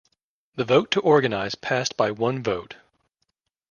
The vote to organize passed by one vote.